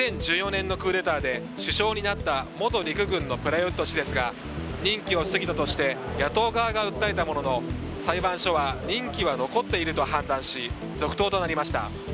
２０１４年のクーデターで首相になった元陸軍のプラユット氏ですが任期を過ぎたとして野党側が訴えたものの裁判所は任期は残っていると判断し、続投となりました。